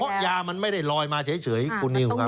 เพราะยามันไม่ได้ลอยมาเฉยคุณนิวครับ